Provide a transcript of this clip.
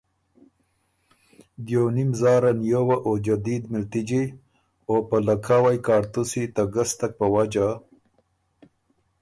دیونیم زاره نیووه او جدید مِلتِجی او په لکهاوئ کاړتُوسی ته ګستک په وجه